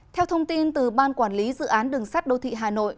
theo thông tin từ ban quản lý dự án đường sắt đô thị hà nội